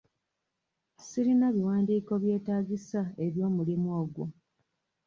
Sirina biwandiiko byetaagisa eby'omulimu ogwo.